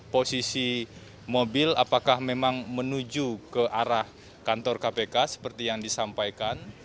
posisi mobil apakah memang menuju ke arah kantor kpk seperti yang disampaikan